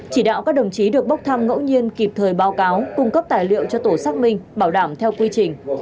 chỉ đạo các đồng chí được bốc thăm ngẫu nhiên kịp thời báo cáo cung cấp tài liệu cho tổ xác minh bảo đảm theo quy trình